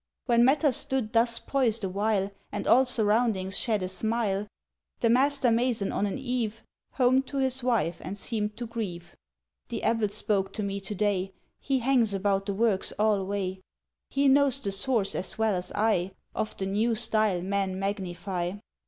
When matters stood thus poised awhile, And all surroundings shed a smile, The master mason on an eve Homed to his wife and seemed to grieve ... —"The abbot spoke to me to day: He hangs about the works alway. "He knows the source as well as I Of the new style men magnify.